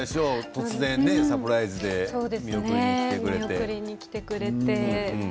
突然サプライズでそうですね見送りに来てくれて。